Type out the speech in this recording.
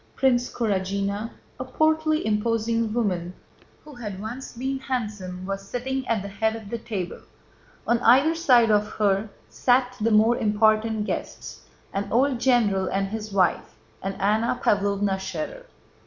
Princess Kurágina, a portly imposing woman who had once been handsome, was sitting at the head of the table. On either side of her sat the more important guests—an old general and his wife, and Anna Pávlovna Schérer.